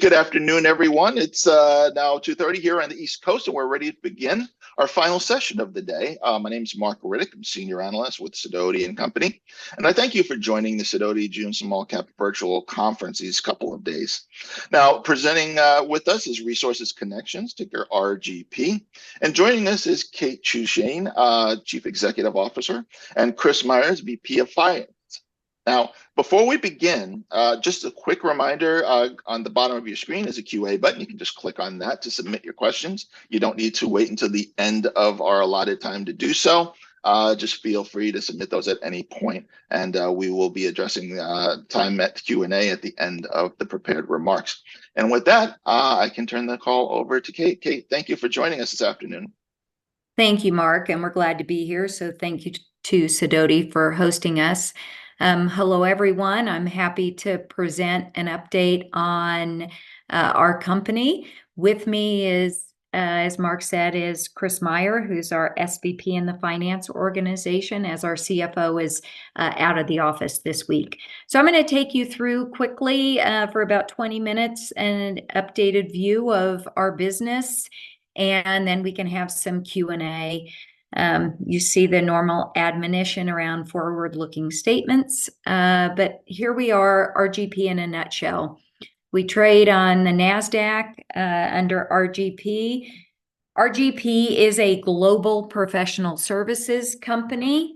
Good afternoon, everyone. It's now 2:30 P.M. here on the East Coast, and we're ready to begin our final session of the day. My name is Mark Riddick. I'm Senior Analyst with Sidoti & Company, and I thank you for joining the Sidoti June Small Cap Virtual Conference these couple of days. Now, presenting with us is Resources Connection, ticker RGP, and joining us is Kate Duchene, Chief Executive Officer, and Chris Meyer, VP of Finance. Now, before we begin, just a quick reminder, on the bottom of your screen is a Q&A button. You can just click on that to submit your questions. You don't need to wait until the end of our allotted time to do so. Just feel free to submit those at any point, and we will be addressing the time at Q&A at the end of the prepared remarks. With that, I can turn the call over to Kate. Kate, thank you for joining us this afternoon. Thank you, Mark, and we're glad to be here, so thank you to Sidoti for hosting us. Hello, everyone. I'm happy to present an update on our company. With me is, as Mark said, Chris Meyer, who's our SVP in the finance organization, as our CFO is out of the office this week. So I'm gonna take you through quickly for about 20 minutes, an updated view of our business, and then we can have some Q&A. You see the normal admonition around forward-looking statements, but here we are, RGP in a nutshell. We trade on the Nasdaq under RGP. RGP is a global professional services company.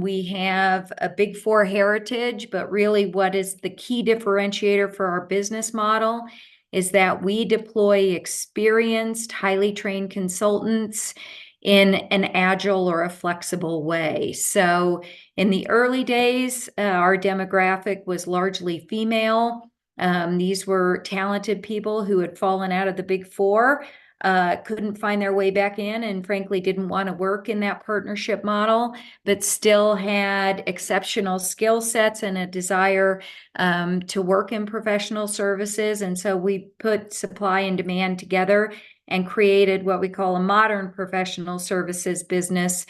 We have a Big Four heritage, but really what is the key differentiator for our business model is that we deploy experienced, highly trained consultants in an agile or a flexible way. So in the early days, our demographic was largely female. These were talented people who had fallen out of the Big Four, couldn't find their way back in, and frankly, didn't wanna work in that partnership model, but still had exceptional skill sets and a desire to work in professional services. And so we put supply and demand together and created what we call a modern professional services business,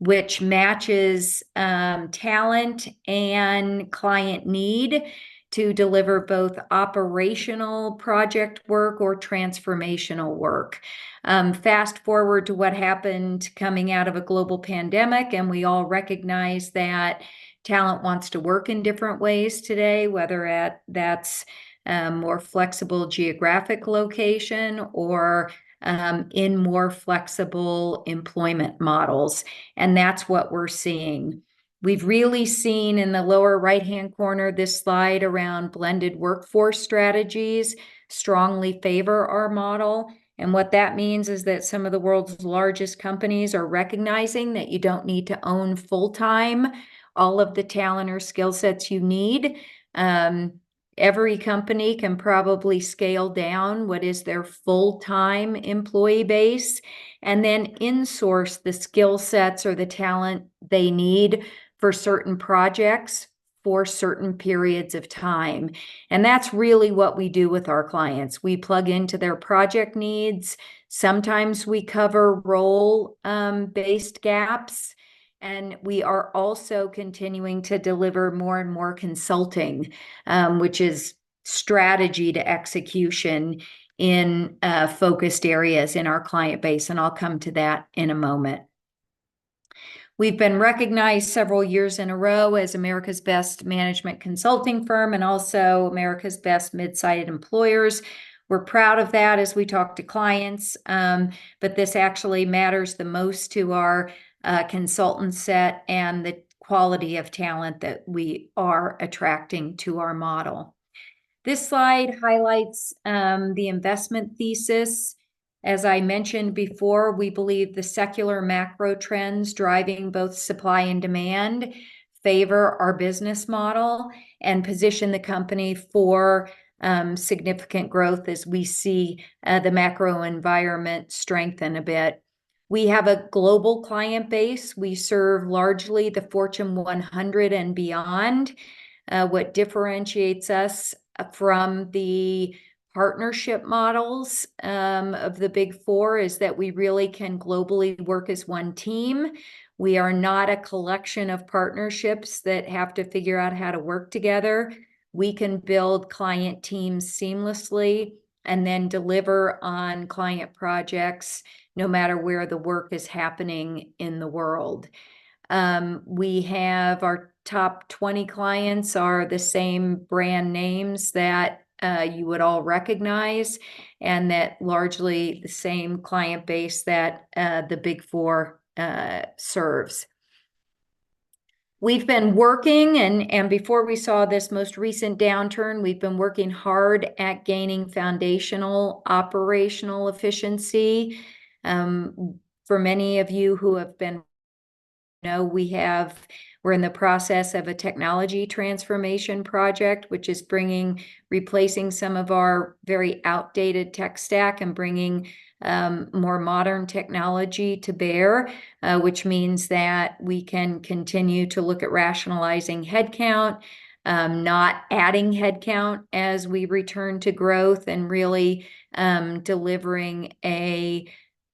which matches talent and client need to deliver both operational project work or transformational work. Fast-forward to what happened coming out of a global pandemic, and we all recognize that talent wants to work in different ways today, whether that's more flexible geographic location or in more flexible employment models, and that's what we're seeing. We've really seen in the lower right-hand corner, this slide around blended workforce strategies strongly favor our model, and what that means is that some of the world's largest companies are recognizing that you don't need to own full-time all of the talent or skill sets you need. Every company can probably scale down what is their full-time employee base, and then insource the skill sets or the talent they need for certain projects, for certain periods of time, and that's really what we do with our clients. We plug into their project needs. Sometimes we cover role based gaps, and we are also continuing to deliver more and more consulting, which is strategy to execution in focused areas in our client base, and I'll come to that in a moment. We've been recognized several years in a row as America's Best Management Consulting Firm and also America's Best Midsize Employers. We're proud of that as we talk to clients, but this actually matters the most to our consultant set and the quality of talent that we are attracting to our model. This slide highlights the investment thesis. As I mentioned before, we believe the secular macro trends driving both supply and demand favor our business model and position the company for significant growth as we see the macro environment strengthen a bit. We have a global client base. We serve largely the Fortune 100 and beyond. What differentiates us from the partnership models of the Big Four is that we really can globally work as one team. We are not a collection of partnerships that have to figure out how to work together. We can build client teams seamlessly and then deliver on client projects, no matter where the work is happening in the world. We have... Our top 20 clients are the same brand names that you would all recognize, and that largely the same client base that the Big Four serves. We've been working, and before we saw this most recent downturn, we've been working hard at gaining foundational operational efficiency. For many of you who know, we're in the process of a technology transformation project, which is replacing some of our very outdated tech stack and bringing more modern technology to bear, which means that we can continue to look at rationalizing headcount, not adding headcount as we return to growth and really delivering a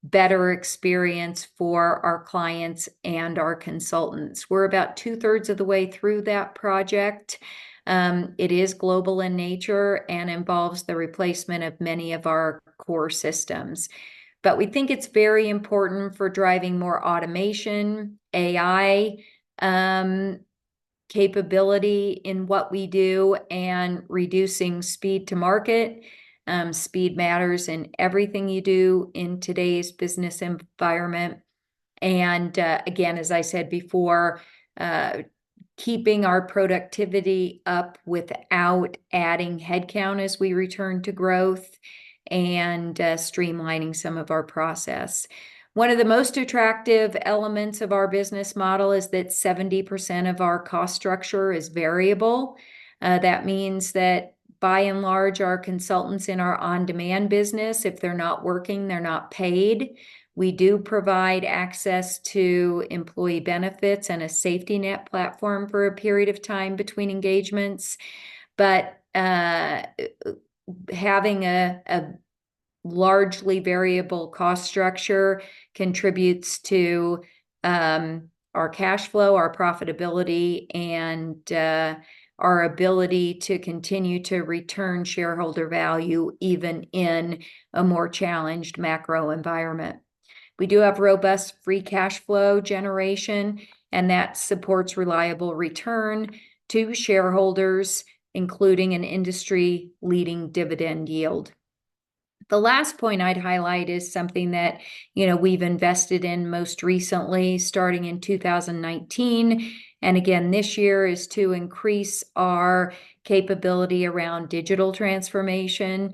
better experience for our clients and our consultants. We're about two-thirds of the way through that project. It is global in nature and involves the replacement of many of our core systems. But we think it's very important for driving more automation, AI capability in what we do, and reducing speed to market. Speed matters in everything you do in today's business environment. And, again, as I said before, keeping our productivity up without adding headcount as we return to growth, and, streamlining some of our process. One of the most attractive elements of our business model is that 70% of our cost structure is variable. That means that by and large, our consultants in our on-demand business, if they're not working, they're not paid. We do provide access to employee benefits and a safety net platform for a period of time between engagements. But, having a largely variable cost structure contributes to, our cash flow, our profitability, and, our ability to continue to return shareholder value even in a more challenged macro environment. We do have robust free cash flow generation, and that supports reliable return to shareholders, including an industry-leading dividend yield. The last point I'd highlight is something that, you know, we've invested in most recently, starting in 2019, and again, this year, is to increase our capability around digital transformation.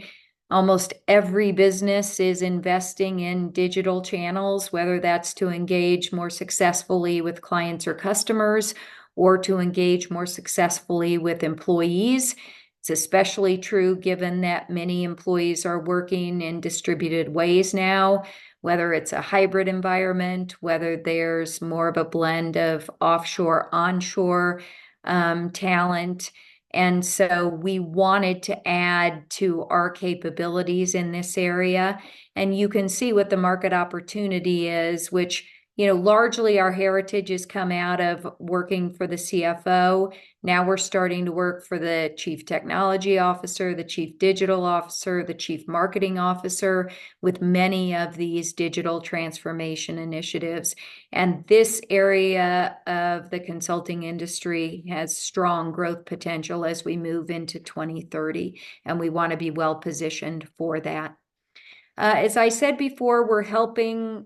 Almost every business is investing in digital channels, whether that's to engage more successfully with clients or customers, or to engage more successfully with employees. It's especially true given that many employees are working in distributed ways now, whether it's a hybrid environment, whether there's more of a blend of offshore/onshore talent. And so we wanted to add to our capabilities in this area, and you can see what the market opportunity is, which, you know, largely our heritage has come out of working for the CFO. Now we're starting to work for the Chief Technology Officer, the Chief Digital Officer, the Chief Marketing Officer, with many of these digital transformation initiatives. This area of the consulting industry has strong growth potential as we move into 2030, and we want to be well-positioned for that. As I said before, we're helping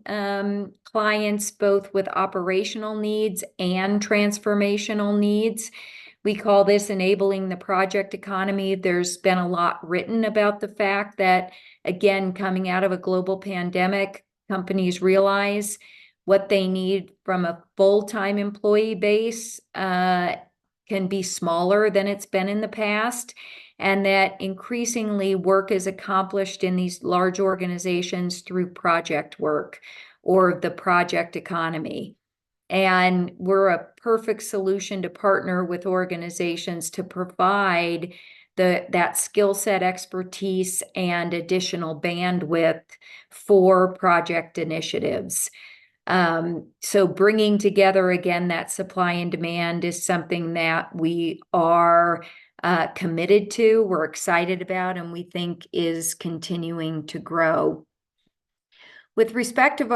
clients both with operational needs and transformational needs. We call this enabling the project economy. There's been a lot written about the fact that, again, coming out of a global pandemic, companies realize what they need from a full-time employee base can be smaller than it's been in the past, and that increasingly work is accomplished in these large organizations through project work or the project economy. And we're a perfect solution to partner with organizations to provide that skill set, expertise, and additional bandwidth for project initiatives. So bringing together, again, that supply and demand is something that we are committed to, we're excited about, and we think is continuing to grow. With respect to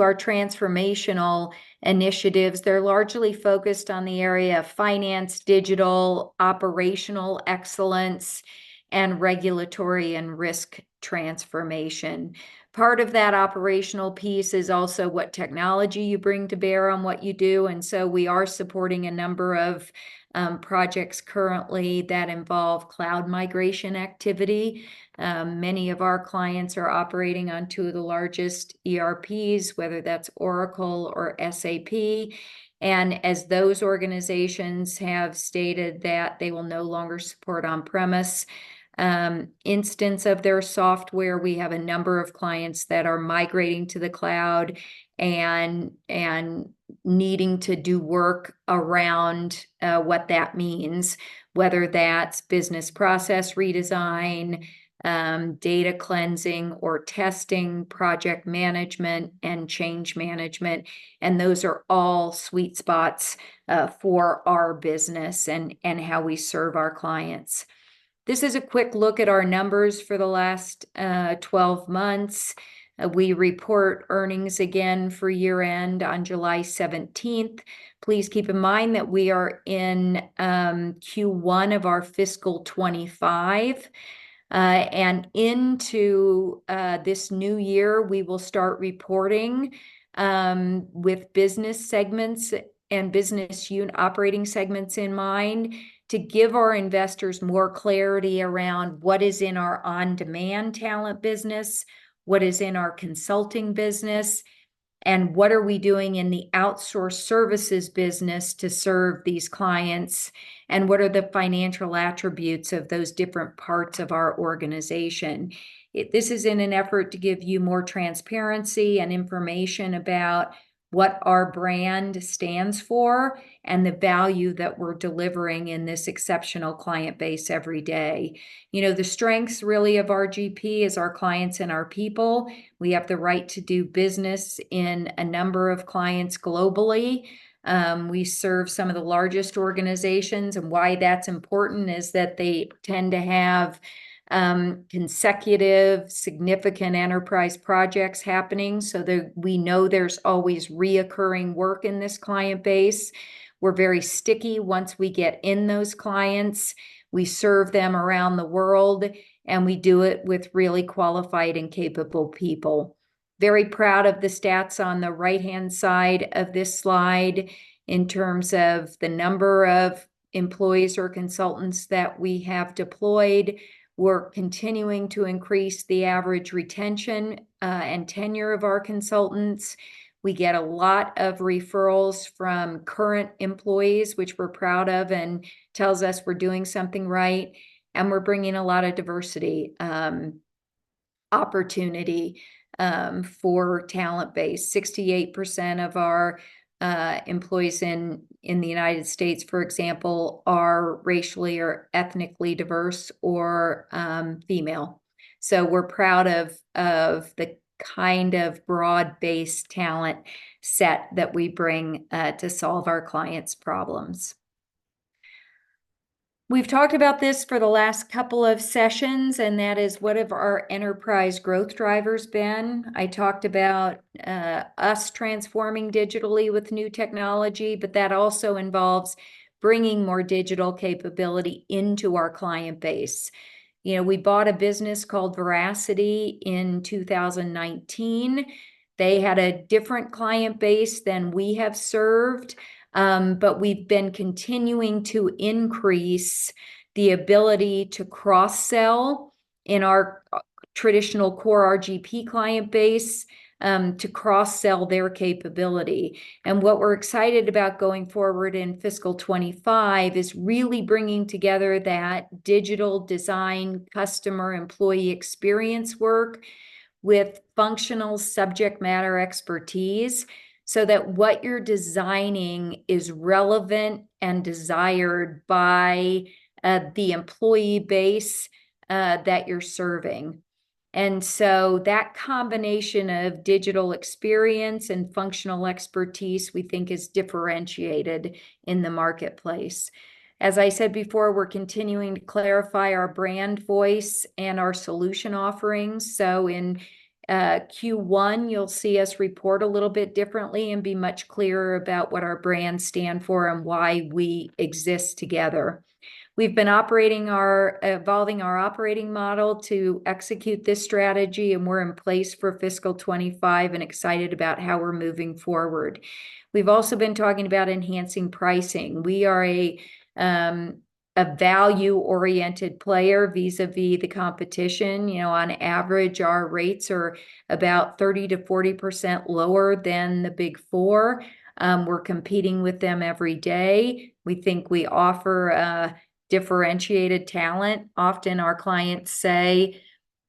our transformational initiatives, they're largely focused on the area of finance, digital, operational excellence, and regulatory and risk transformation. Part of that operational piece is also what technology you bring to bear on what you do, and so we are supporting a number of projects currently that involve cloud migration activity. Many of our clients are operating on two of the largest ERPs, whether that's Oracle or SAP. And as those organizations have stated that they will no longer support on-premise instance of their software, we have a number of clients that are migrating to the cloud and needing to do work around what that means, whether that's business process redesign, data cleansing or testing, project management, and change management. And those are all sweet spots for our business and how we serve our clients. This is a quick look at our numbers for the last 12 months. We report earnings again for year-end on July seventeenth. Please keep in mind that we are in Q1 of our fiscal 2025. Into this new year, we will start reporting with business segments and business operating segments in mind, to give our investors more clarity around what is in our on-demand talent business, what is in our consulting business, and what are we doing in the outsourced services business to serve these clients? And what are the financial attributes of those different parts of our organization? This is in an effort to give you more transparency and information about what our brand stands for, and the value that we're delivering in this exceptional client base every day. You know, the strengths really of RGP is our clients and our people. We have the right to do business in a number of clients globally. We serve some of the largest organizations, and why that's important is that they tend to have consecutive significant enterprise projects happening, so we know there's always recurring work in this client base. We're very sticky once we get in those clients. We serve them around the world, and we do it with really qualified and capable people. Very proud of the stats on the right-hand side of this slide in terms of the number of employees or consultants that we have deployed. We're continuing to increase the average retention and tenure of our consultants. We get a lot of referrals from current employees, which we're proud of, and tells us we're doing something right, and we're bringing a lot of diversity, opportunity, for talent base. 68% of our employees in the United States, for example, are racially or ethnically diverse or female. So we're proud of the kind of broad-based talent set that we bring to solve our clients' problems. We've talked about this for the last couple of sessions, and that is, what have our enterprise growth drivers been? I talked about us transforming digitally with new technology, but that also involves bringing more digital capability into our client base. You know, we bought a business called Veracity in 2019. They had a different client base than we have served, but we've been continuing to increase the ability to cross-sell in our traditional core RGP client base, to cross-sell their capability. And what we're excited about going forward in fiscal 2025, is really bringing together that digital design customer employee experience work with functional subject matter expertise, so that what you're designing is relevant and desired by, the employee base, that you're serving. And so, that combination of digital experience and functional expertise, we think is differentiated in the marketplace. As I said before, we're continuing to clarify our brand voice and our solution offerings. So in, Q1, you'll see us report a little bit differently and be much clearer about what our brands stand for and why we exist together. We've been operating our... evolving our operating model to execute this strategy, and we're in place for fiscal 2025 and excited about how we're moving forward. We've also been talking about enhancing pricing. We are a, a value-oriented player, vis-a-vis the competition. You know, on average, our rates are about 30% to 40% lower than the Big Four. We're competing with them every day. We think we offer a differentiated talent. Often, our clients say,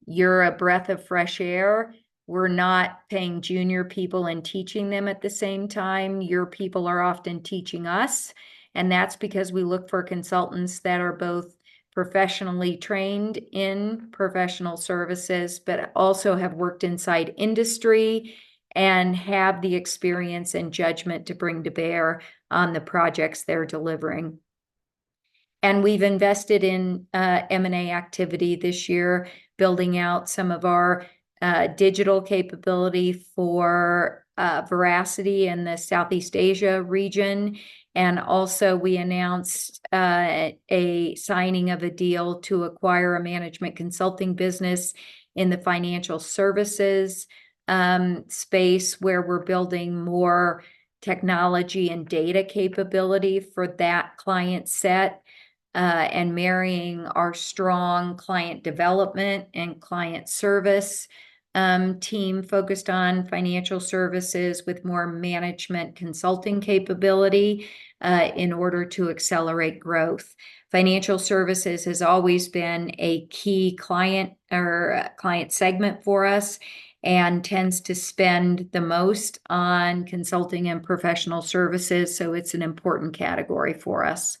"You're a breath of fresh air. We're not paying junior people and teaching them at the same time. Your people are often teaching us." And that's because we look for consultants that are both professionally trained in professional services, but also have worked inside industry, and have the experience and judgment to bring to bear on the projects they're delivering. We've invested in M&A activity this year, building out some of our digital capability for Veracity in the Southeast Asia region. Also, we announced a signing of a deal to acquire a management consulting business in the financial services space, where we're building more technology and data capability for that client set and marrying our strong client development and client service team focused on financial services with more management consulting capability in order to accelerate growth. Financial services has always been a key client or client segment for us, and tends to spend the most on consulting and professional services, so it's an important category for us.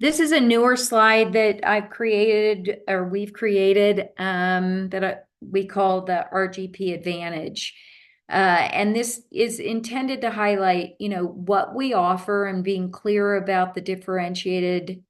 This is a newer slide that I've created, or we've created, that we call the RGP Advantage. And this is intended to highlight, you know, what we offer and being clear about the differentiated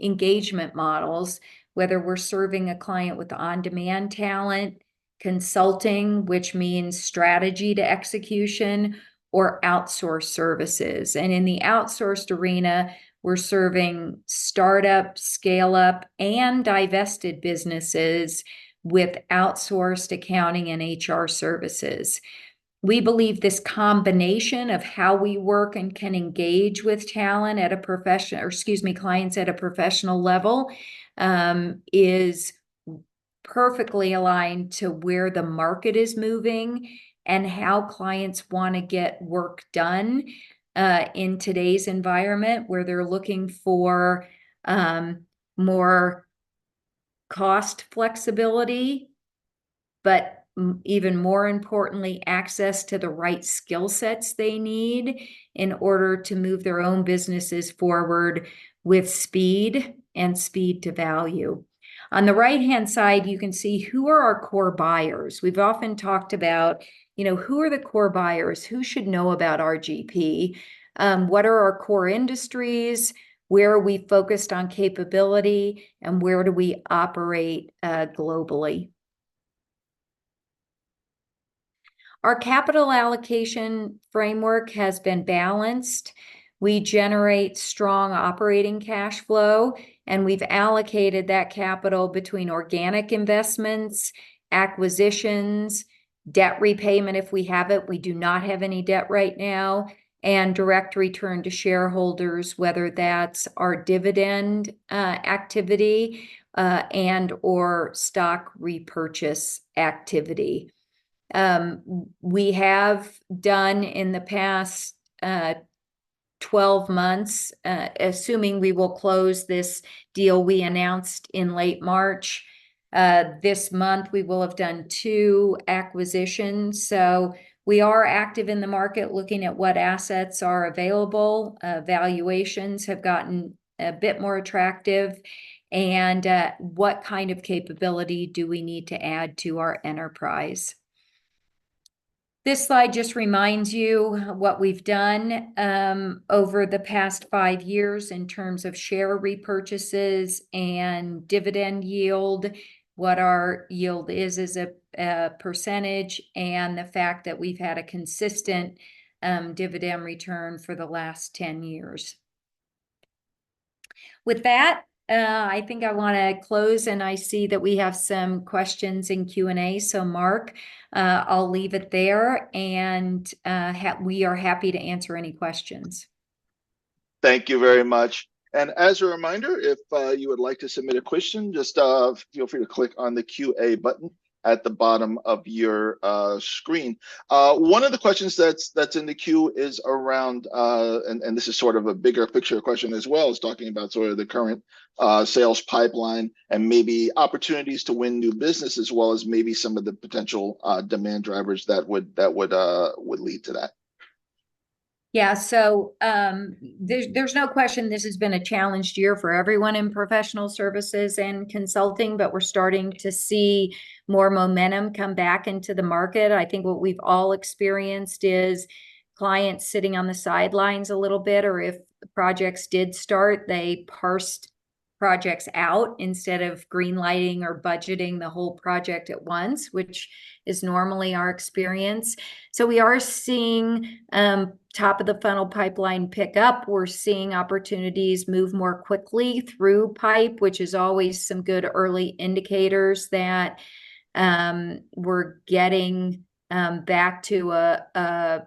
engagement models, whether we're serving a client with on-demand talent, consulting, which means strategy to execution, or outsourced services. And in the outsourced arena, we're serving start-up, scale-up, and divested businesses with outsourced accounting and HR services. We believe this combination of how we work and can engage with talent at a profession- or excuse me, clients at a professional level, is perfectly aligned to where the market is moving and how clients wanna get work done in today's environment, where they're looking for more cost flexibility, but even more importantly, access to the right skill sets they need in order to move their own businesses forward with speed and speed to value. On the right-hand side, you can see who are our core buyers. We've often talked about, you know, who are the core buyers? Who should know about RGP? What are our core industries? Where are we focused on capability, and where do we operate globally? Our capital allocation framework has been balanced. We generate strong operating cash flow, and we've allocated that capital between organic investments, acquisitions, debt repayment, if we have it, we do not have any debt right now, and direct return to shareholders, whether that's our dividend activity and/or stock repurchase activity. We have done in the past 12 months, assuming we will close this deal we announced in late March, this month we will have done two acquisitions. So we are active in the market, looking at what assets are available, valuations have gotten a bit more attractive, and what kind of capability do we need to add to our enterprise? This slide just reminds you what we've done over the past five years in terms of share repurchases and dividend yield, what our yield is as a percentage, and the fact that we've had a consistent dividend return for the last 10 years. With that, I think I wanna close, and I see that we have some questions in Q&A, so Mark, I'll leave it there, and we are happy to answer any questions. Thank you very much. As a reminder, if you would like to submit a question, just feel free to click on the QA button at the bottom of your screen. One of the questions that's in the queue is around, and this is sort of a bigger picture question as well, is talking about sort of the current sales pipeline and maybe opportunities to win new business, as well as maybe some of the potential demand drivers that would lead to that. Yeah. So, there's no question this has been a challenged year for everyone in professional services and consulting, but we're starting to see more momentum come back into the market. I think what we've all experienced is clients sitting on the sidelines a little bit, or if projects did start, they parsed projects out instead of green-lighting or budgeting the whole project at once, which is normally our experience. So we are seeing top-of-the-funnel pipeline pick up. We're seeing opportunities move more quickly through pipe, which is always some good early indicators that we're getting back to a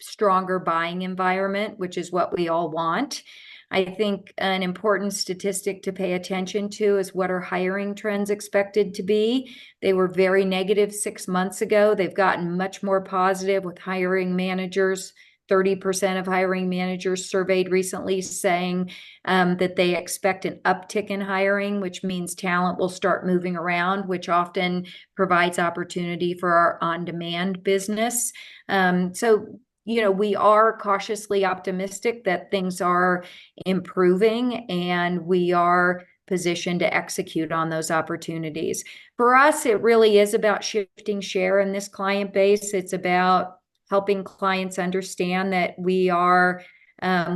stronger buying environment, which is what we all want. I think an important statistic to pay attention to is, what are hiring trends expected to be? They were very negative six months ago. They've gotten much more positive with hiring managers. 30% of hiring managers surveyed recently saying that they expect an uptick in hiring, which means talent will start moving around, which often provides opportunity for our on-demand business. So, you know, we are cautiously optimistic that things are improving, and we are positioned to execute on those opportunities. For us, it really is about shifting share in this client base. It's about helping clients understand that we are...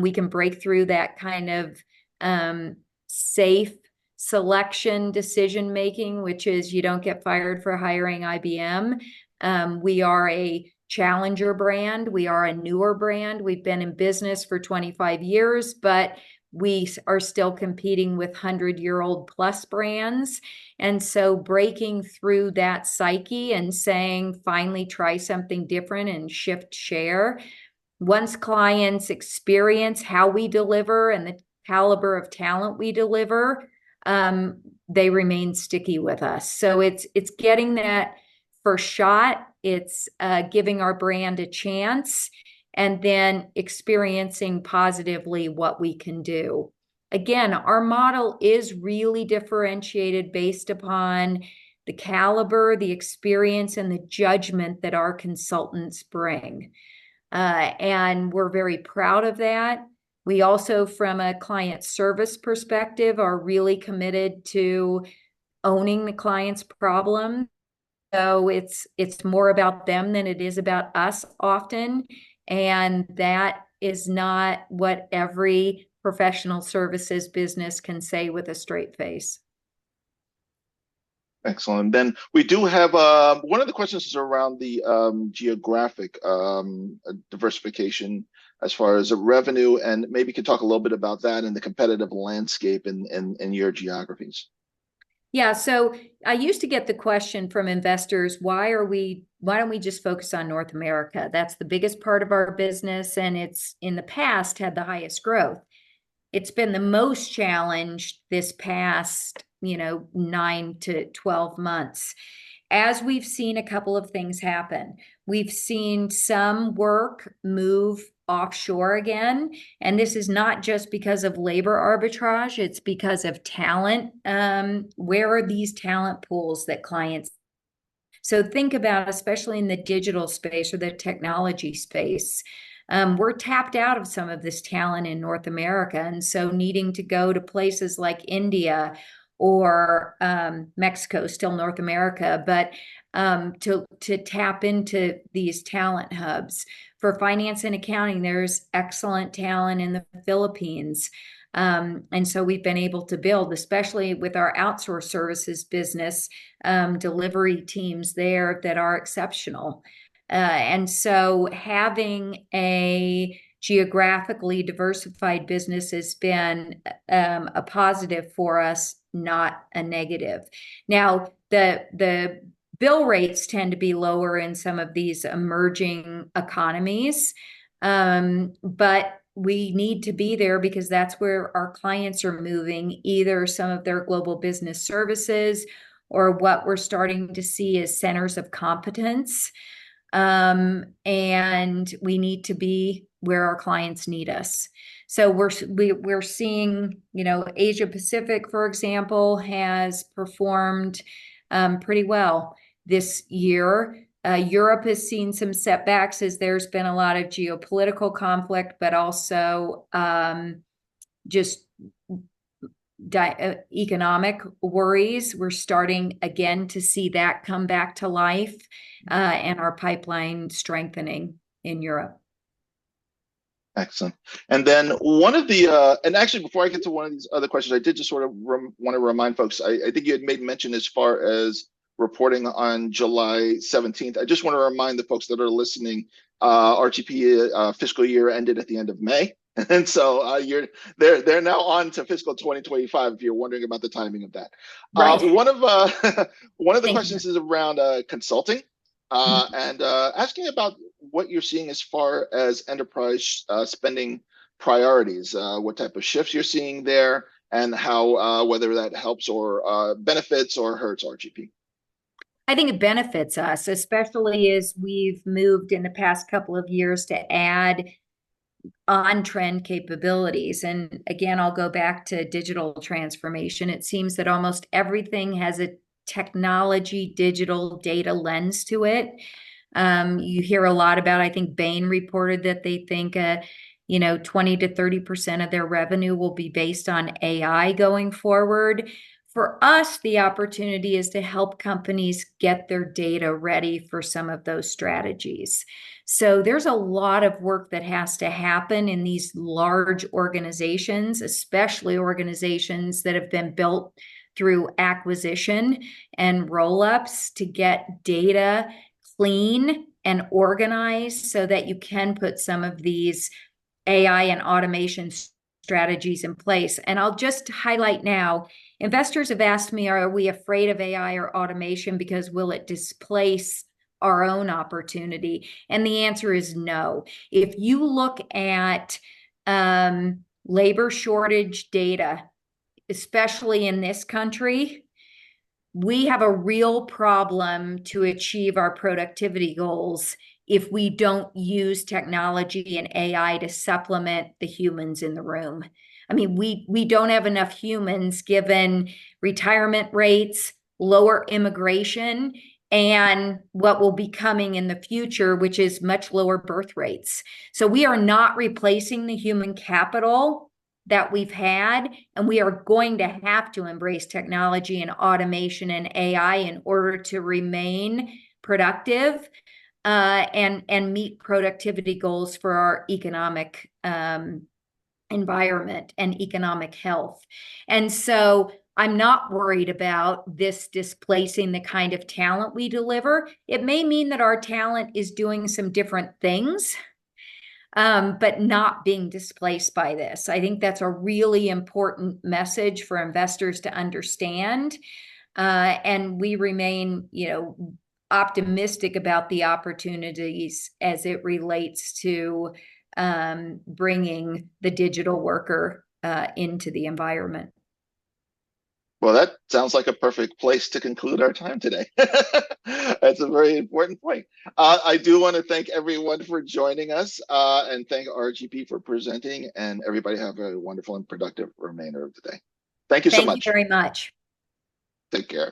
we can break through that kind of safe selection decision-making, which is, you don't get fired for hiring IBM. We are a challenger brand. We are a newer brand. We've been in business for 25 years, but we are still competing with 100-year-old-plus brands, and so breaking through that psyche and saying, "Finally, try something different and shift share," once clients experience how we deliver and the caliber of talent we deliver, they remain sticky with us. So it's, it's getting that first shot. It's, giving our brand a chance, and then experiencing positively what we can do. Again, our model is really differentiated based upon the caliber, the experience, and the judgment that our consultants bring. And we're very proud of that. We also, from a client service perspective, are really committed to owning the client's problem, so it's, it's more about them than it is about us often, and that is not what every professional services business can say with a straight face. Excellent. Then we do have one of the questions is around the geographic diversification as far as the revenue, and maybe you could talk a little bit about that and the competitive landscape and your geographies? Yeah, so I used to get the question from investors, "Why don't we just focus on North America?" That's the biggest part of our business, and it's, in the past, had the highest growth. It's been the most challenged this past, you know, nine to 12 months, as we've seen a couple of things happen. We've seen some work move offshore again, and this is not just because of labor arbitrage, it's because of talent. Where are these talent pools that clients—So think about, especially in the digital space or the technology space, we're tapped out of some of this talent in North America, and so needing to go to places like India or Mexico, still North America, but to tap into these talent hubs. For finance and accounting, there's excellent talent in the Philippines. And so we've been able to build, especially with our outsourced services business, delivery teams there that are exceptional. And so having a geographically diversified business has been a positive for us, not a negative. Now, the bill rates tend to be lower in some of these emerging economies. But we need to be there because that's where our clients are moving, either some of their global business services or what we're starting to see as centers of competence. And we need to be where our clients need us. So we're seeing, you know, Asia Pacific, for example, has performed pretty well this year. Europe has seen some setbacks as there's been a lot of geopolitical conflict, but also just economic worries. We're starting again to see that come back to life, and our pipeline strengthening in Europe. Excellent. And then one of the, and actually, before I get to one of these other questions, I did just sort of wanna remind folks, I think you had made mention as far as reporting on July 17th. I just wanna remind the folks that are listening, RGP fiscal year ended at the end of May. And so, they're, they're now on to fiscal 2025, if you're wondering about the timing of that. Right. Uh, one of, uh, Thank you. One of the questions is around, consulting- Mm-hmm... and asking about what you're seeing as far as enterprise spending priorities, what type of shifts you're seeing there, and how, whether that helps or, benefits or hurts RGP? I think it benefits us, especially as we've moved in the past couple of years to add on-trend capabilities. And again, I'll go back to digital transformation. It seems that almost everything has a technology digital data lens to it. You hear a lot about, I think, Bain reported that they think, you know, 20% to 30% of their revenue will be based on AI going forward. For us, the opportunity is to help companies get their data ready for some of those strategies. So there's a lot of work that has to happen in these large organizations, especially organizations that have been built through acquisition and roll-ups, to get data clean and organized so that you can put some of these AI and automation strategies in place. I'll just highlight now, investors have asked me, "Are we afraid of AI or automation, because will it displace our own opportunity?" The answer is no. If you look at labor shortage data, especially in this country, we have a real problem to achieve our productivity goals if we don't use technology and AI to supplement the humans in the room. I mean, we don't have enough humans, given retirement rates, lower immigration, and what will be coming in the future, which is much lower birth rates. We are not replacing the human capital that we've had, and we are going to have to embrace technology and automation and AI in order to remain productive, and meet productivity goals for our economic environment and economic health. I'm not worried about this displacing the kind of talent we deliver. It may mean that our talent is doing some different things, but not being displaced by this. I think that's a really important message for investors to understand. We remain, you know, optimistic about the opportunities as it relates to bringing the digital worker into the environment. Well, that sounds like a perfect place to conclude our time today. That's a very important point. I do wanna thank everyone for joining us, and thank RGP for presenting, and everybody have a wonderful and productive remainder of the day. Thank you so much. Thank you very much. Take care.